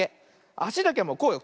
あしだけはこうよ。